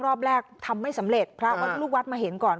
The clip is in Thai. รอบแรกทำไม่สำเร็จพระลูกวัดมาเห็นก่อน